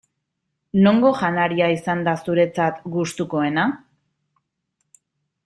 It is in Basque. Nongo janaria izan da zuretzat gustukoena?